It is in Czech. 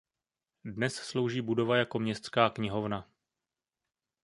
Dnes slouží budova jako městská knihovna.